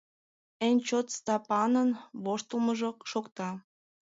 Эн чот Стапанын воштылмыжо шокта.